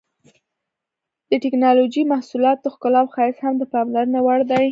د ټېکنالوجۍ د محصولاتو ښکلا او ښایست هم د پاملرنې وړ دي.